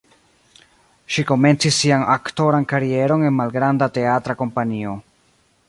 Ŝi komencis sian aktoran karieron en malgranda teatra kompanio.